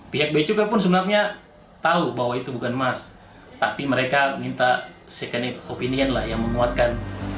pihak beacukai pun sebenarnya tahu bahwa itu bukan emas tapi mereka minta second opinion lah yang menguatkan